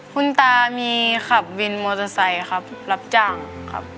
คุณตามีขับวินมอเตอร์ไซค์ครับรับจ้างครับ